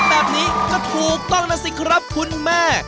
แบบนี้ก็ถูกต้องแล้วสิครับคุณแม่